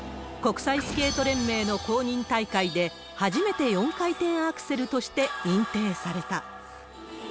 国際スケート連盟の公認大会で、初めて４大会アクセルとして認定された。